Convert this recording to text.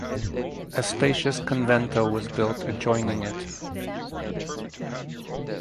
A spacious convento was built adjoining it.